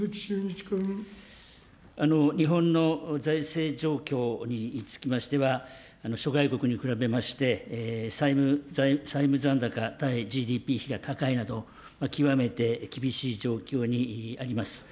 日本の財政状況につきましては、諸外国に比べまして、債務残高対ＧＤＰ比が高いなと、極めて厳しい状況にあります。